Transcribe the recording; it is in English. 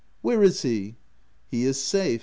" Where is he ?"" He is safe.''